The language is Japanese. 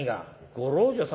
ご老女様？